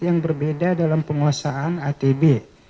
yang berbeda dalam penguasaan atb